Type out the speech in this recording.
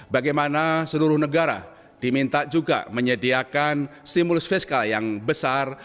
bagaimana seluruh negara diminta juga menyediakan stimulus fiskal yang besar